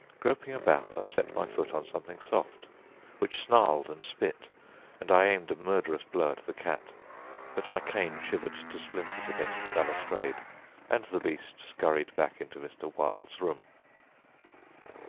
Groping about, I set my foot on something soft, which snarled and spit, and I aimed a murderous blow at the cat, but my cane shivered to splinters against the balustrade, and the beast scurried back into Mr. Wilde's room.